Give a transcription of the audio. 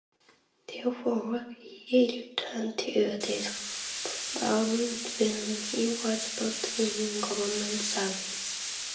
Thereafter, he returned to this firm when he was not in government service.